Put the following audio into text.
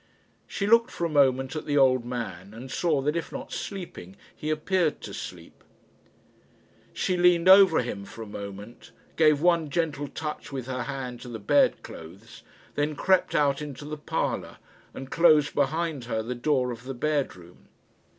She looked for a moment at the old man, and saw that if not sleeping he appeared to sleep. She leaned over him for a moment, gave one gentle touch with her hand to the bed clothes, then crept out into the parlour, and closed behind her the door of the bed room.